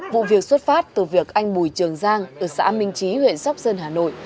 vụ việc xuất phát từ việc anh bùi trường giang ở xã minh trí huyện sóc sơn hà nội